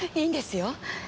いいんですよ